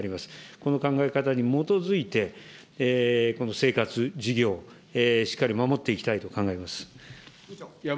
この考え方に基づいて、この生活、事業、しっかり守っていきたいと考えます。